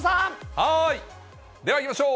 はーい、ではいきましょう。